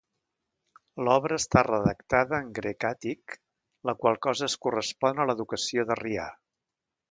L'obra està redactada en grec àtic, la qual cosa es correspon a l'educació d'Arrià.